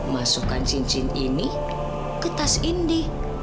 masukkan cincin ini ke tas indi